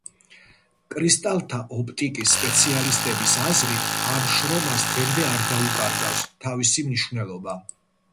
კრისტალთა ოპტიკის სპეციალისტების აზრით, ამ შრომას დღემდე არ დაუკარგავს თავისი მნიშვნელობა.